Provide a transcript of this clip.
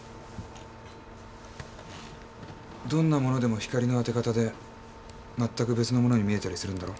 どんなものでも光の当て方で全く別のものに見えたりするんだろ？